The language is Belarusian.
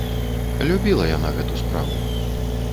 Любіла яна гэту справу.